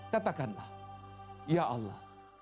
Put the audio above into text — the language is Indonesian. katakanlah ya allah